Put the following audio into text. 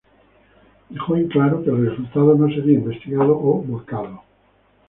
Dejó en claro que el resultado no sería investigado o volcado.